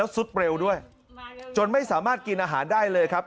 สุดเร็วด้วยจนไม่สามารถกินอาหารได้เลยครับ